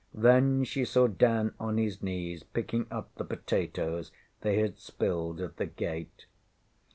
Then she saw Dan on his knees picking up the potatoes they had spilled at the gate.